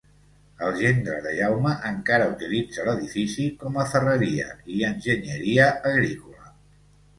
El gendre de Jaume encara utilitza l'edifici com a ferreria i enginyeria agrícola.